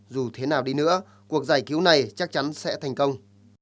dù thế nào đi nữa cuộc giải cứu này chắc chắn sẽ thành công